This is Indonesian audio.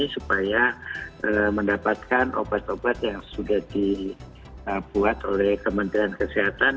supaya mendapatkan obat obat yang sudah dibuat oleh kementerian kesehatan